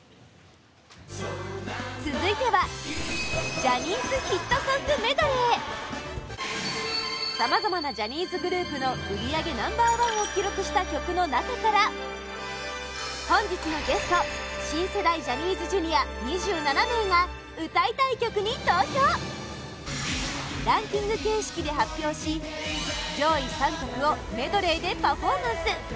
続いては、ジャニーズヒットソングメドレーさまざまなジャニーズグループの売り上げナンバー１を記録した曲の中から本日のゲスト新世代ジャニーズＪｒ．２７名が歌いたい曲に投票ランキング形式で発表し上位３曲をメドレーでパフォーマンス！